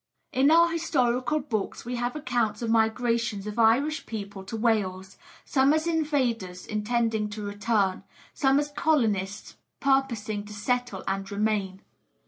In our old historical books we have accounts of migrations of Irish people to Wales, some as invaders intending to return, some as colonists purposing to settle and remain.